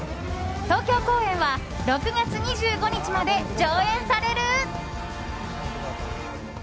東京公演は６月２５日まで上演される。